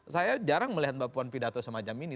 saya jarang melihat mbak puan pidato semacam ini